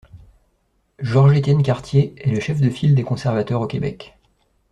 George-Étienne Cartier est le chef de file des conservateurs au Québec.